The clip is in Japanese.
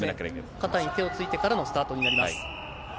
肩に手をついてからのスタートになります。